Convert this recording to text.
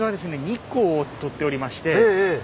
日光を撮っておりまして。